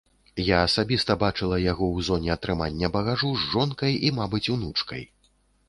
Я асабіста бачыла яго ў зоне атрымання багажу з жонкай і, мабыць, унучкай.